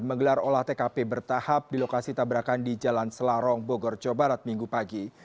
menggelar olah tkp bertahap di lokasi tabrakan di jalan selarong bogor jawa barat minggu pagi